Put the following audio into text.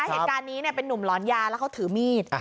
เหตุการณ์นี้เป็นนุ่มหลอนยาแล้วเขาถือมีด